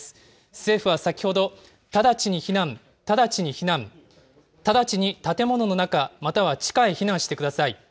政府は先ほど、直ちに避難、直ちに避難、直ちに建物の中、または地下へ避難してください。